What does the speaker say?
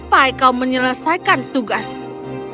dan aku akan menyelesaikan tugasmu